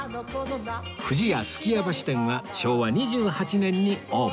不二家数寄屋橋店は昭和２８年にオープン